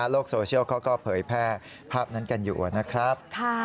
โซเชียลเขาก็เผยแพร่ภาพนั้นกันอยู่นะครับ